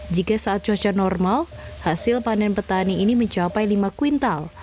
jika saat cuaca normal hasil panen petani ini mencapai lima kuintal